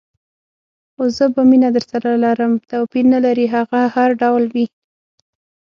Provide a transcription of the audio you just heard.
خو زه به مینه درسره لرم، توپیر نه لري هغه هر ډول وي.